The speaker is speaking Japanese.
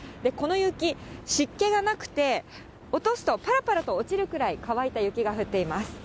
この雪、湿気がなくて、落とすとぱらぱらと落ちるくらい乾いた雪が降っています。